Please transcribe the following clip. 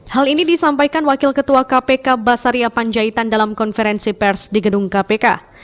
hal ini disampaikan wakil ketua kpk basaria panjaitan dalam konferensi pers di gedung kpk